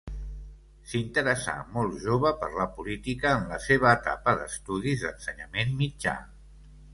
S'interessà molt jove per la política en la seva etapa d'estudis d'ensenyament mitjà.